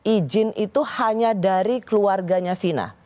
ijin itu hanya dari keluarganya wina